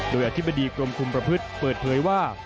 โดยอธิบดีกรมคุมประพฤติเปิดเผยว่า